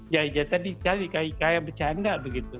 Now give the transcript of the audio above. jaya jaya tadi cari kayak bercanda